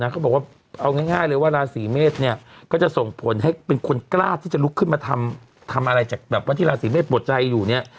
เขาบอกว่าเอาง่ายเลยว่าราศีเมษเนี่ยก็จะส่งผลให้เป็นคนกล้าที่จะลุกขึ้นมาทำอะไรจากแบบว่าที่ราศีเมษปวดใจอยู่เนี่ย